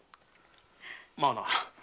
まあな。